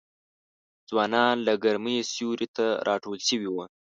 ځوانان له ګرمیه سیوري ته راټول سوي وه